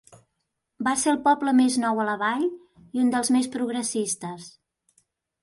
Va ser el poble més nou a la vall i un dels més progressistes.